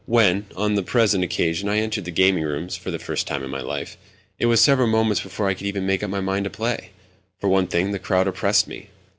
When, on the present occasion, I entered the gaming rooms (for the first time in my life), it was several moments before I could even make up my mind to play. For one thing, the crowd oppressed me.